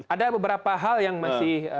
ada beberapa hal yang masih